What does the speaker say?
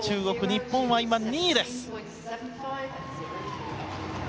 日本は今、２位です。